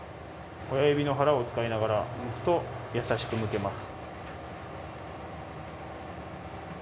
親指の腹を使いながら剥くと優しく剥けます。